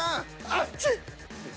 あっちぃ！